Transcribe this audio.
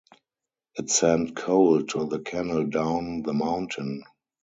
It sent coal to the canal down the mountain.